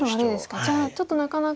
じゃあちょっとなかなか。